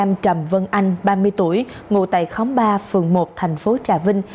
anh trầm vân anh ba mươi tuổi ngủ tại khóng ba phường một thành phố trà vinh